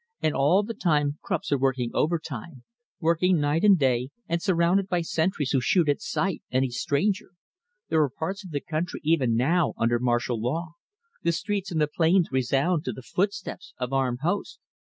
And all the time Krupps are working overtime, working night and day, and surrounded by sentries who shoot at sight any stranger. There are parts of the country, even now, under martial law. The streets and the plains resound to the footsteps of armed hosts."